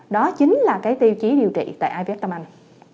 đó chính là cái tiêu chí điều trị tại iviet tâm anh